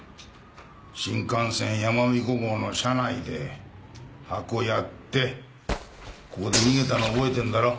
新幹線やまびこ号の車内でハコやってここで逃げたの覚えてんだろ？